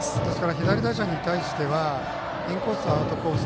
左打者に対してはインコース、アウトコース